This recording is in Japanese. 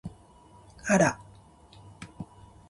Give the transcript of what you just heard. あら！